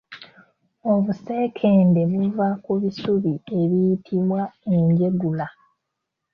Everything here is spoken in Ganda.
Obusekende buva ku bisubi ebiyitibwa Enjegula.